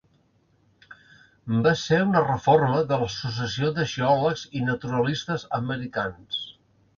Va ser una reforma de l'Associació de Geòlegs i Naturalistes Americans.